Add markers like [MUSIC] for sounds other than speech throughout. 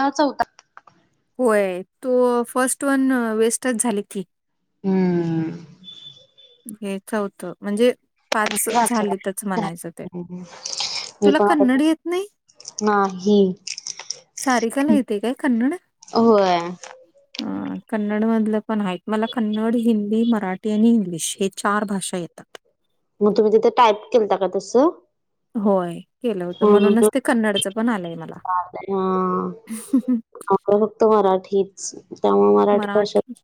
हा चवथा होय, तो फर्स्ट वन वेस्टच झाली ती. हम्म. हे चवथ म्हणजे? पाच वाचवा झालेच म्हणायचं, ते मी तुला पण आता कन्नड येत नाही. नाही, सारिकाला येते काय होय. हं, कन्नडमधलं पण आहेत. मला कन्नड, हिंदी, मराठी आणि इंग्लिश. हे चार भाषा येतात. मग तुम्ही तिथे टाईप केलता का तसं? होय, केलं होतं हा म्हणूनच ते कन्नडचं पण आलंय मला. मी फक्त मराठीत. त्यामुळे मराठी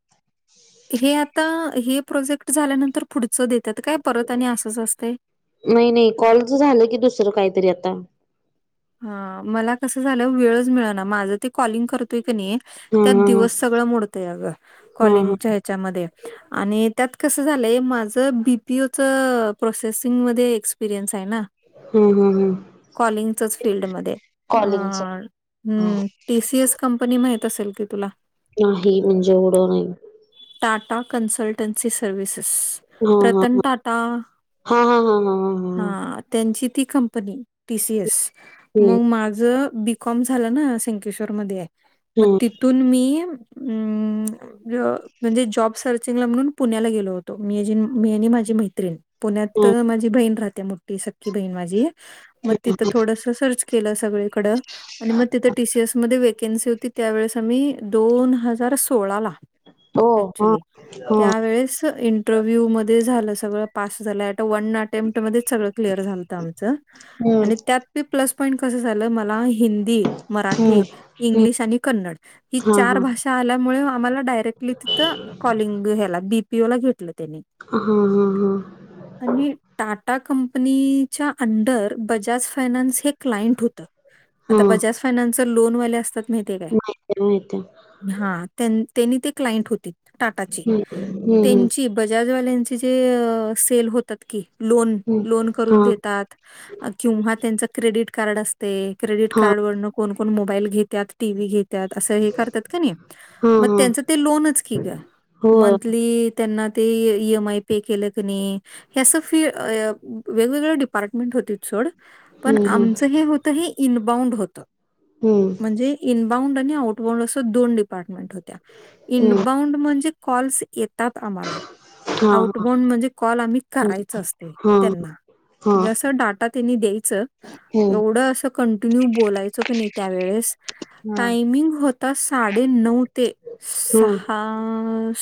हे आता हे प्रोजेक्ट झाल्यानंतर. पुढचं देतात काय परत, आणि असंच असते. नाही, नाही, कॉलच झालं की दुसरं काहीतरी आता. हा, मला कसं झालं, वेळच मिळना, माझं ते कॉलिंग करतोय की नी. हा त्यात हा हा दिवस सगळं मोडतय, अगं हा कॉलिंगच्या ह्याच्यामध्ये. आणि त्यात कसं झालंय, माझं बी पी ओचं प्रोसेसिंगमध्ये एक्सपिरियन्स आहे ना. हम्म, हम्म, कॉलिंगचच हम्. फील्डमध्ये टी सी एस कंपनी माहित असेल की तुला? नाही म्हणजे एवढं नाही. टाटा कनसल्टनसी सर्वसेस. हा हा रतन टाटा हा हा हा हा हा. त्यांची ती कंपनी टी सी एस. हम्म मग माझं बी कॉम झालं ना, सकेश्वरमध्ये आहे, मग हम्म तिथून मी हम्. म्हणजे जॉब सर्चिंगला म्हणून पुण्याला गेलो होतो मी, मी आणि माझी मैत्रिणी. पुण्यात हम्म माझी बहीण राहत्या मोठी सख्खी बहीण माझी मग तिथ थोडस सर्च केलं सगळीकड आणि म तिथे टीसीएस मध्ये वेकन्सी होती त्यावेेळेस आम्ही दोन हजार सोळाला हो हा अक्चुली हा त्यावेळेस इंटरव्ह्यू मध्ये झालं सगळं पास झालं आता वन अटेम्प्ट मध्येच सगळं क्लिअर झालंत आमचं हम्म आणि त्यात बी प्लस पॉईंट कसं झालं मला हिंदी हम्म मराठी हम्म इंग्लिश आणि कन्नड ही हा चार हा भाषा आल्यामुळे आम्हाला डायरेक्टली तिथ कॉलिंग ह्याला बीपिओला घेतलं त्यानी हा हा ह आणि टाटा कंपनीच्या अंडर बजाज फायनान्स हे क्लाइंट होत आता हा बजाज फायनान्स चे लोन वाले असतात माहितीये माहित माहित काय हा त्यांनी ते क्लाइंट होतीत टाटाची हम्म हम्म त्यांची बजाजवाल्यांचे जे सेल होतात की लोन हम्म लोन करून हा देतात किंवा त्यांच क्रेडिट कार्ड असतंय क्रेडिट हा कार्ड वरन कोण कोण मोबाईल घेत त्यात टी व्ही घेत्यात अस हे करातत कणी हा मग हा त्यांच ते लोनच की ग हो मंथ ली त्यांना ते इ एम आय पे केलं क नाही हे असं फी वेगवेगळ डिपार्टमेंट होतीत सोड पण हम्म आमचं हे होतं हे इनबाउंड होतं हू म्हणजे इन्बाऊंड आणि आउटबाउंड असे दोन डिपार्टमेंट होत्या हम्म हम्म इन्बाऊंड म्हणजे कॉल्स येतात आम्हाला हा आउटबोन म्हणजे कॉल आम्ही करायच असतय हा हा त्यांना हा जस डाटा द्यायच हम्म एवढं अस कंटिन्यू बोलायचं कनी त्यावेळेस हा टायमिंग होता साडे नऊ ते हा सहा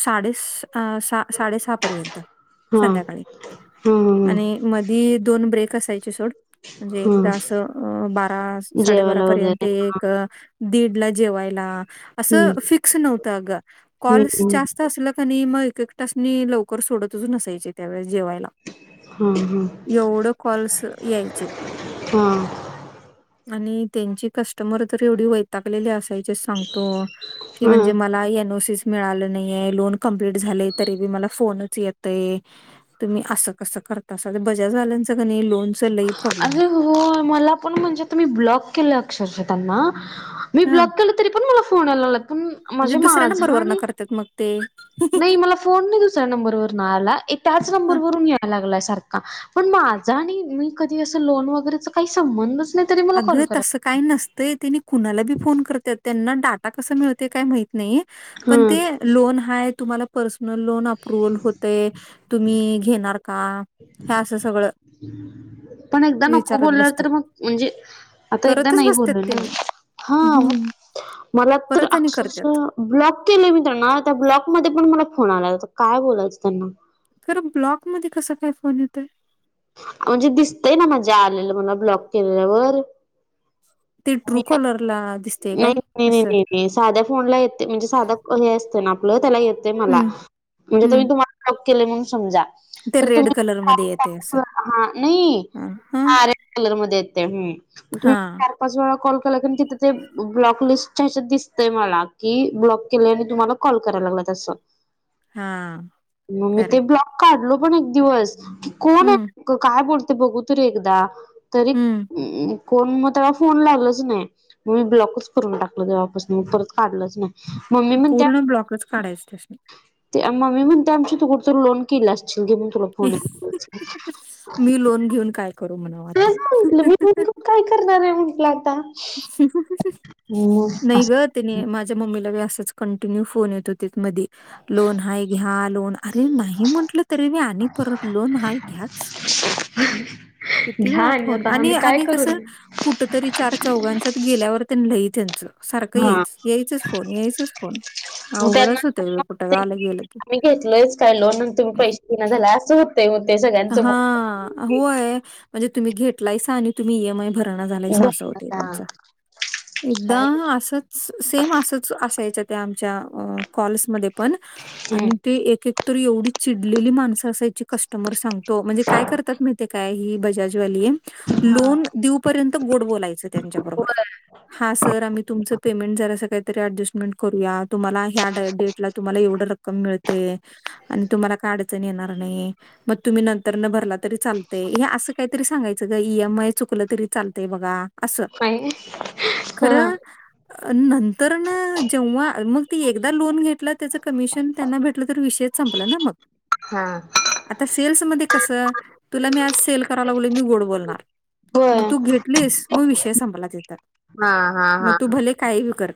साडे सा साडे सहा पर्यंत हा हा संध्याकाळी हा आणि मधी दोन ब्रेक असायचे सोड म्हणजे हा एकदा अस अ बारा साडेबारा जेवायला पर्यंत वगैरे एक दीड ला जेवायला असं हम्म फिक्स नव्हतं अग कॉल्स हम्म जास्त असलं कणी मग एक एकट्यासनी लवकर सोडतच नसायचे त्यावेळेस जेवायला हा हा एवढं कॉल्स यायचे हा आणि त्यांची कस्टमर तर एवढी वैतागलेले असायचे सांगतो की म्हणजे हा मला एन ओ सी मिळालं नाही हाय लोन कंप्लीट झालय तरी बी मला फोनच येतय तुम्ही असं कसं करतासा आता बजाजवाल्यांचं कणी लोन च लई प्रॉब्लेम अरे आहे हो मला पण म्हणजे मी आता ब्लॉक केलं अक्षरशः त्यांना मी हा ब्लॉक केलंय तरी पण मला फोन यायला लागला पण म्हणजे माझा आणि त्यात मग ते नाही मला फोन नाही दुसऱ्या नंबरवरून आला त्याच ए त्याच नंबरवरून यायला लागलाय सारखा पण माझा आणि मी कधी अस लोन वगैरेच काही संबंधच नाही तरी मला अग कॉल करा तसं काय नसतंय तेनी कुणाला बी फोन करत त्यांना डाटा कसं मिळतंय काय माहीत नाही पण हम्म ते लोन हाय तुम्हाला पर्सनल लोन अप्रुवल होतय तुम्ही घेणार का हे असं सगळं पण एकदा नको विचारत बोल्यावर बसतात तर मग म्हणजे आता एकदा करतच नाही बसतात बोलले ना त्यांनी हा हम्म मला तर. परत आणि [INAUDIBLE] करतात ब्लॉक केले मित्रांन त्या ब्लॉकमध्येध्ये पण मला फोन आला काय बोलायचं त्यांना. खंर ब्लॉकमध्ये कसा काय फोन येतं. म्हणजे दिसतय ना माझ्या आलेलं मला ब्लॉक केल्यावर. ते ट्रू कॉलरला दिसते काय नाही नाही असं नाही साध्या फोनला येते म्हणजे साध्या. हे असते ना आपलं त्याला येते मला हम्म म्हणजे तर मी हम्म तुम्हाला जप केले म्हणून समजा. ते तर रेड तुम्ही. कलर मध्ये येते असं हा नाही हा सारे कलर मध्ये येते. हा पाच वेळा कॉल केला तिथे ते ब्लॉक लिस्टच्या ह दिसतय मला कि ब्लॉक केले आणि तुम्हाला. कॉल करायला मला तसं. [UNINTELLIGIBLE] -. मग मी ते ब्लॉक काढलो पण एक दिवस. हम्म. तो काय बोलते बघू तरी एकदा तरी. हम्म कोण मग त्याला फोन लागलाच नाही मग मी ब्लॉकच करून टाकलं तेव्हापासून मग परत काढलंच नाही. मम्मी म्हणत्या. पूर्ण ब्लॉकच काढायच त्यासनी. ते मम्मी म्हणते आमची तु कुठतरी लोन केला असशील म्हणून तुला फोन. मी लोन घेऊन काय करू म्हणाव आता. तेच म्हटलं मी लोन घेऊन काय करणार आहे म्हटलं आता. मग नाही असं ग. तने माझ्या मम्मीलाी असाच कंटिन्यू फोन येत होतीत मध्ये. लोन हाय घ्या लोन अरे नाही म्हंटलं तरी बी आणि परत लोन हा घ्याच. [UNINTELLIGIBLE] किती वेळा फोन आणि आणि कस. कुठ तरी चार चौघांच्या गेल्यावर त्यां लई. [INAUDIBLE] सारखं हा यायच यायचच फोन यायचच फोन. त्यांना अवघडच होतय बाई कुठं आलं गेलं की. आम्ही घेतलोयच का लोन तुम्ही पैसे दे झा अस हो.. [UNINTELLIGIBLE] हा होय म्हणजे तुम्ही घेतलाय आणि तुम्ही ईएम आय भर. झालायसा असं होते आता त्यांचा. काय एकदाम असंच सेम असंच असायच त्या. चा फॉल्स मध्ये पण हम्म आणि त्या एकेक. तर एवढी चिडलेली माणसं असायची कष्ट. म्हणजे काय कारत्यात ही बजाज वाली. दिवपर्यंत गोड बोलायचं त्यांच्याबरोबर, हा सर आम्ही तुमचं पेमेंट जरा असं काहीतरी अडजस्टमेंट करूयात, तुम्हाला ह्या डेट ला तुम्हाला एवढ रक्कम मिळते. आणि तुम्हाला काय अडचणी येणार नाही मग, तुम्ही नंतर न भरला तरी चालतेय हे असं काहीतरी सांगायचं का ई एम आय चुकलं तरी चालतय बघा. असं. [UNINTELLIGIBLE] नंतर ना जेव्हा मग ती एकदा लोन घेत. त्याचं कमिशन त्यांना भेटलं तर विषयच संपला ना मग. हा. आता सेल्स मध्ये कसं तुला मी आज सेल करायला बोल मी गोड बोलणार. होय मग तू घेतलीस मग विषय संपला तिथं. हा, हा, हा. काहीलं कर,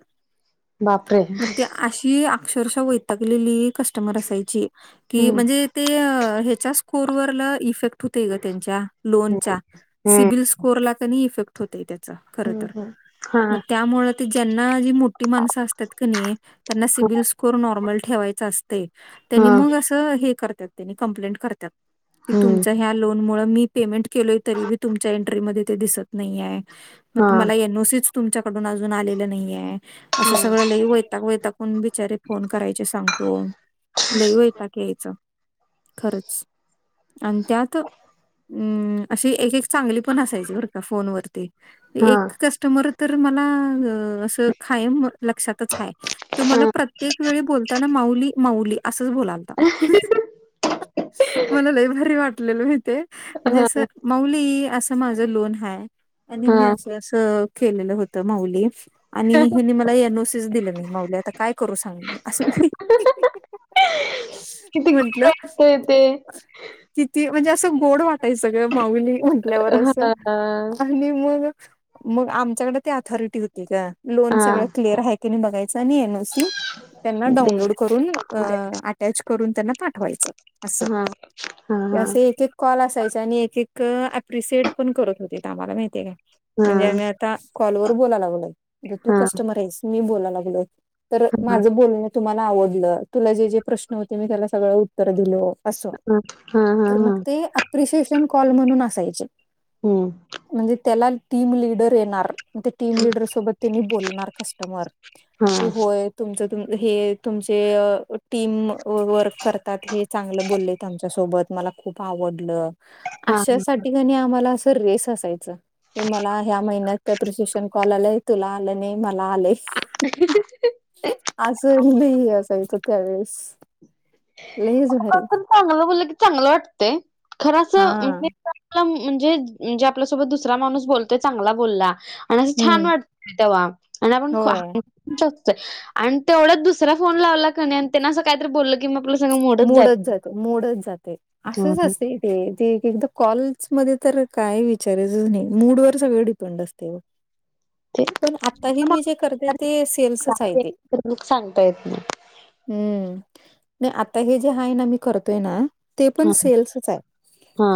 बापरे म ती अशी आ अक्षरशः वतागलेली कस्टमर असायची, की हम्म म्हणजे ते अं च्या स्कोर वरलं इफेक्ट होत ग त्यांच्या लोनच्या हम्म सिविल स्कोर ला कणी इफेक्ट होतोय त्याच खरं तर हम्म हा म त्यामुळे ते ज्यांना जी मो मोठी मानंस असत्यात कणि त्याना सिबील स्कोर नॉर्मल ठेवायचं असतंय, हा त्यानी मगं असं त हे करत्यात त्यानी कम्प्लेंट करतात की हम्म तुमच्या ह्या लोन मुळं मी पेमेंट केलोय तरी बी तुमच्या एंट्री मध्ये दिसत नाही आहे, म हा तुमाला एन ओ सी च तुमच्याकडून अजून आलेलं नाहीये असं सगळं लई वै- - त्या वैतागून बिचारे फोन करायचे सांगतो लई वैताग यायचा. खरंच! आण त्यात अं अमं अशी एक -एक, चांगली पण असायची बर का फोनवररती, हा हा एक कस्टमर तर मला गं अंस खायम लक्षातच आहे, तो माला प्रत्येक वेळी बोलताना माऊली, माऊली असंच बोलाल अं, हं, ह मला लैयच भारी वाटलेल माहिती ये म्हणजे हा असं माऊली असं माझ लोन आहे, आणि मी हा असं सस अस केलेलं होतं माऊली. आणि हेिनी मला एन ओ सि स दिलं नाही माऊली, आता काय करू सांगा मी असं. म्हणटलं, हो येते. किती म्हणजे असं गोड वाट ते सगळे माऊनी म्हटल्यावर हा असं हा आणि मग मग आमच्याकडे ते अऑथॉरिटी होती का, लोन सगळं क्लिअर आहे की नाही बघायचं आणि एन ओ सी त्यांना दे हा डाऊनलोड करून अं अटॅच करून, त्यांना पाठवायचं. हा, हा ते हा असे एक- एक कॉल असायचे आणि एक- एक अं एप्रिसिएट पण करत होते ते आम्हाला माहिती ये काय. हा म्हणजे आम्ही आता कॉलवरर बोलाय लागलोय, मग तू हा हा कस्टमर आहेस मी बोलाय लागलो. तर माझं बोलणं तुम्हाला आवडलं, तुला जे, जे प्रश्न होते मी त्याला सगळं उत्तर दिले असं हा हा तर हा मग ते अप्रिसिएशन कॉल म्हणून असायचे. हम्म, म्हणजे त्याला टीम लिडर येणार, म ते टीम लिडर सोबत त्यांनी बोलणार कस्टमर, की हा होय तुमचं तुम हे तुमचे अं टीम वर्क करतात हे चांग चांगलं बोललेत आमच्या सोबत मला खुप आवडलं, हा आशा साठी कणि आमाला अस तर रेस असायच. की मला ह्या महिन्यात अं प्रिशिक्षन कॉल आलं होतं, तुला आलं नाही, मला आलंय. [UNINTELLIGIBLE] आस लै असायचं त्या वेळेस, लै कोण चांगलं बोललं की चांगलं वाटतंय, खर असं हा. म्हणजे खरं म्हणजे, म्हणजे आपल्यासोबत दुसरा माणूस बोलतोय चांगला बोलला आणि असं छान हम्म वाटतं तेव्हा, आणि आपण ख होय जॉब तर आणि तेवढ्यात दुसरा फोन लावला क नाही आणि त्यान असं काहीतरी बोललं की म लग मोडच जातो, मोडच जाते असंच असते. ते-ते एक एखादा कॉल मध्ये तर काय विचारायचंच नाही. मूड वर सगळे डिपेंड असते. [INAUDIBLE] पण आताही मी जे करते ते सेल्सच आहे ते. सांगता येत नाही हम्म, नाही आता हे जे आहे ना, मी करतोय ना. ते पण हा सेल्सच आहे. हा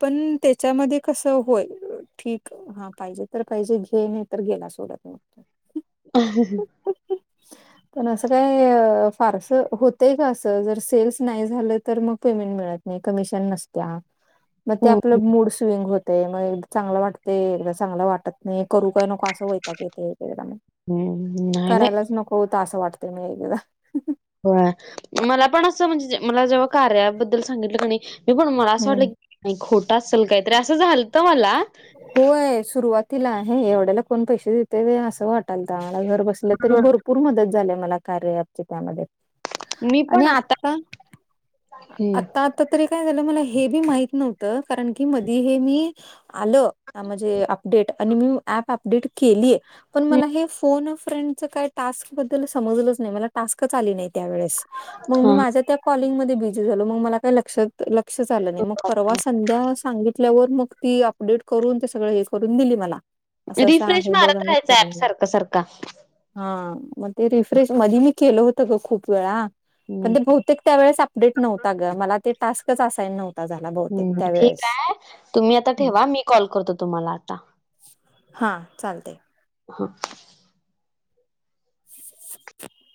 पण त्याच्यामध्ये कस, हो ठीक. हा, पाहिजे तर पाहिजे घे नाही तर गेला सोडत नसतो. आ हा ह. हम्म, हम्म, पण असं काय फारस होत होतंय का आस, जर सेल्स नाही झालं तर मग पेमेंट मिळत नाही. कमिशन नसत्या. मग ते हम्म आपलं मूड स्विंग होत ते मग चांगलं वाटते, एकदा चांगलं वाटत नाही, करू काय नको असं वैताग येतंय एक एकदा मग हम्म नाही नाही करायलाच नको होत, असं वाटत म एकदा होय, मला पण असं म्हणजे मला जेव्हा कार्या बद्दल सांगितलं कणी पण मला असं वाटलं हम्म की नाही खोट असलं काहीतरी असं झालंत मला होय, सुरुवातीला आहे. एवढ्याला कोण पैसे देत असं वाटाल तर आम्हाला घर बस तरी भरपूर मदत झाली य मला कार्य त्यामध्ये मी आणि पण आता, आता? आता तरी काय झालं मला हे बी माहित नव्हतं. कारण की मधी हे मी आलं, आ म्हणजे अपडेट आणि मी ऍप अपडेट केलीये. पण मला हे फोन फ्रेंड काय? टास्क बद्दल समज नाहीच, मला टास्क आले नाही ह्या वेळेस, मग मी माझ्या त्या कॉलिंग मध्ये बिझी झालो, मग मला काही लक्ष लक्षच आलं नाही. मग परवा संध्या सांगितल्यावर मग ती अपडेट करून ते सगळं हे करून दिली मला असं-असं रिफ्रेश आहे बघा, मारत आणि राहायचा ऍप करून. सारखा सारखा हा, मग ते रिफ्रेश मधी मी केलं होतं ग खूप वेळा, हम्म पण ते बहुतेक त्यावेळेस आप अपडेट नव्हता ग, मला ते टास्कच असायन नव्हं हम्, ठीक आहे. तुम्ही आता ठेवा मी कॉल करतो तुम्हाला आता. हा, चालतय. हा. [INAUDIBLE]